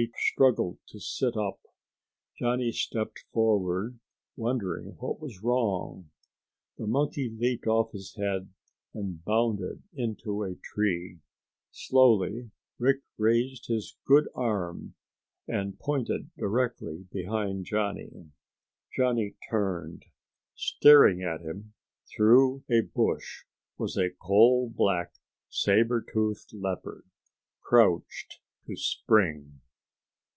He struggled to sit up. Johnny stepped forward, wondering what was wrong. The monkey leaped off his head and bounded into a tree. Slowly Rick raised his good arm and pointed directly behind Johnny. Johnny turned. Staring at him through a bush was a coal black sabre toothed leopard, crouched to spring.